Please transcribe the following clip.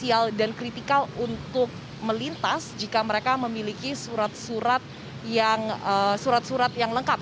ini adalah hal yang kritikal untuk melintas jika mereka memiliki surat surat yang lengkap